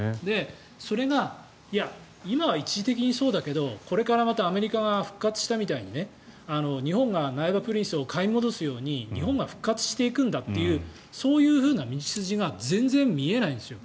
それが今は一時的にそうだけどこれからまたアメリカが復活したみたいに日本が苗場プリンスを買い戻すみたいに日本が復活していくんだというそういうふうな道筋が全然見えないんですよ。